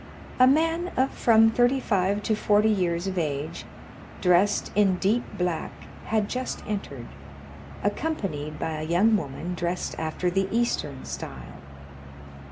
A man of from thirty five to forty years of age, dressed in deep black, had just entered, accompanied by a young woman dressed after the Eastern style.